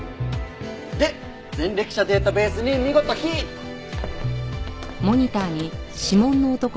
で前歴者データベースに見事ヒット！